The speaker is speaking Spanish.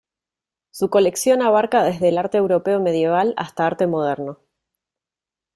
Su colección abarca desde el arte europeo medieval hasta arte moderno.